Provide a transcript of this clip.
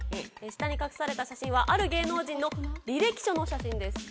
下に隠された写真はある芸能人の履歴書の写真です。